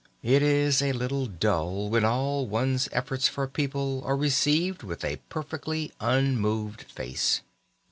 It is a little dull when all one's efforts for people are received with a perfectly unmoved face.